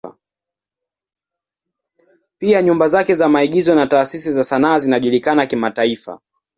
Pia nyumba zake za maigizo na taasisi za sanaa zinajulikana kimataifa.